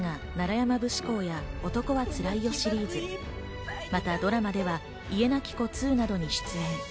映画『楢山節考』や『男はつらいよ』シリーズ、またドラマでは『家なき子２』などに出演。